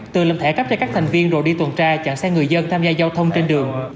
từ lập thẻ cấp cho các thành viên rồi đi tuần tra chặn xe người dân tham gia giao thông trên đường